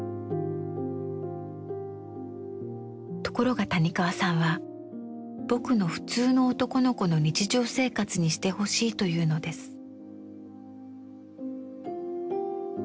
ところが谷川さんは「『ぼく』の普通の男の子の日常生活」にしてほしいというのです。